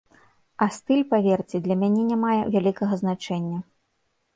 А стыль, паверце, для мяне не мае вялікага значэння.